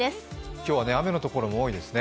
今日は雨のところも多いですね。